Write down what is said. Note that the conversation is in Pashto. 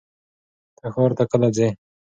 ته ښار ته کله ځې؟